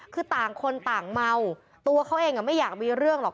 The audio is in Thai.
คือต่างคนต่างเมาตัวเขาเองไม่อยากมีเรื่องหรอก